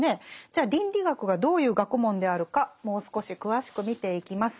じゃあ倫理学がどういう学問であるかもう少し詳しく見ていきます。